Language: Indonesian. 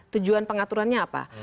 tujuan pengaturannya apa